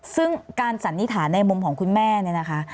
ซึ่งการสันนิษฐานในมุมของคุณแม่เนี่ยนะคะ